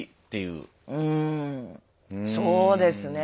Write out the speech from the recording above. うんそうですね。